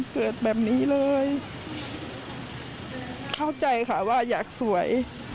เข้าใจค่ะว่าอยากสวย